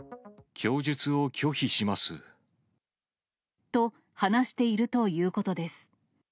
供述を拒否します。と、話しているということです。